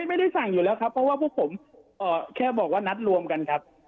ไม่ได้สั่งอยู่แล้วครับเพราะว่าพวกผมแค่บอกว่านัดรวมกันครับ